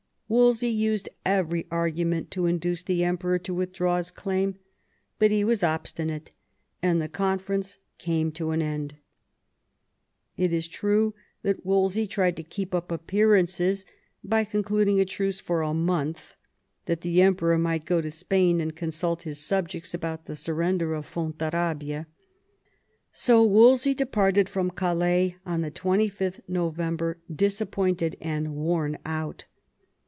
Wolsey used every argument to induce the Emperor to withdraw his claim; but he was obstinate, and the conference came to an end. It is true that Wolsey tried to keep up appearances by concluding a truce for a month, that the Emperor might go to Spain and con sult his subjects about the surrender of Fontarabia. So Wolsey departed from Calais on 26th November, disappointed and worn out.